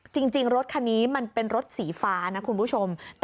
จริงรถคันนี้มันเป็นรถสีฟ้านะคุณผู้ชม